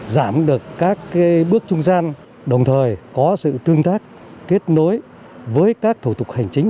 giảm được các bước trung gian đồng thời có sự tương tác kết nối với các thủ tục hành chính